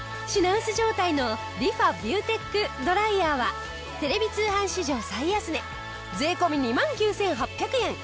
品薄状態のリファビューテックドライヤーはテレビ通販史上最安値税込２万９８００円。